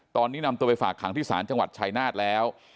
ตอนนี้นำตัวไปฝากขังที่ศาลจังหวัดชายนาฏแล้ว